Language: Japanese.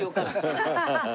ハハハハハ。